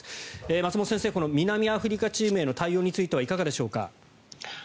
松本先生、南アフリカチームへの対応についてはいかがでしょうか？